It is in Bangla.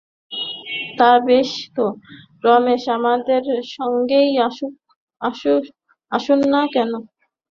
তা বেশ তো, রমেশ আমাদের সঙ্গেই আসুন-না কেন?